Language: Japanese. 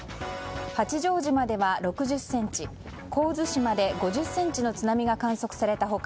八丈島では６０ｃｍ神津島では５０ｃｍの津波が観測された他